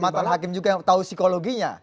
bagi matahari hakim juga yang tahu psikologinya